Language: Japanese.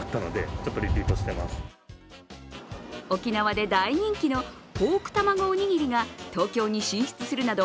沖縄で大人気のポークたまごおにぎりが東京に進出するなど